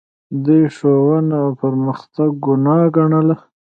دوی ښوونه او پرمختګ ګناه ګڼله